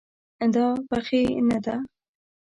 دا پخې نه ده